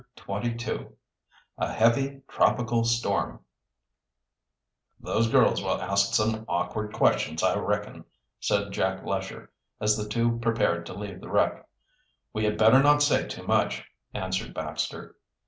CHAPTER XXII A HEAVY TROPICAL STORM "Those girls will ask some awkward questions, I reckon," said Jack Lesher, as the two prepared to leave the wreck. "We had better not say too much," answered Baxter.